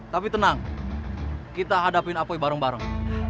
tapi tenang kita hadapin apoy bareng bareng